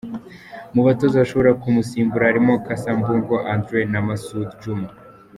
Mu batoza bashobora kumusimbura harimo Cassa Mbungo André na Masoudi Djuma.